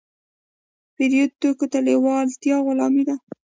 پردیو توکو ته لیوالتیا غلامي ده.